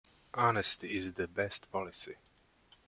Honesty is the best policy.